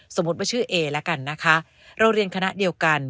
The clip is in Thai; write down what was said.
สมมุติว่าชื่อเอละกันนะคะเราเรียนคณะเดียวกัน